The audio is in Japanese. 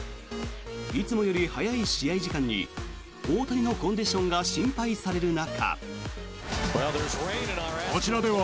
いつもより早い試合時間に大谷のコンディションが心配される中。